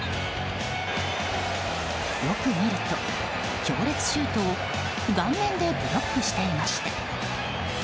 よく見ると、強烈シュートを顔面でブロックしていました。